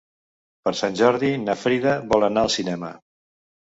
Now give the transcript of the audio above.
Per Sant Jordi na Frida vol anar al cinema.